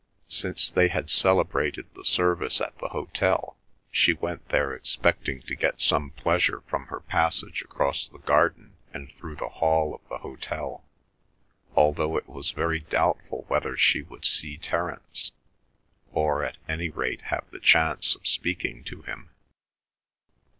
Since they had celebrated the service at the hotel she went there expecting to get some pleasure from her passage across the garden and through the hall of the hotel, although it was very doubtful whether she would see Terence, or at any rate have the chance of speaking to him.